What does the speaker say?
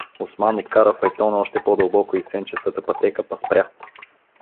Осман откара файтона още по-дълбоко из сенчестата пътека, па спря.